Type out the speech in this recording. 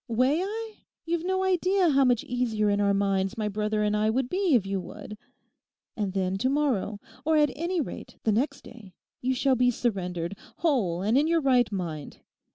May I? You've no idea how much easier in our minds my brother and I would be if you would. And then to morrow, or at any rate the next day, you shall be surrendered, whole and in your right mind.